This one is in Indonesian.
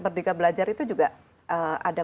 merdeka belajar itu juga ada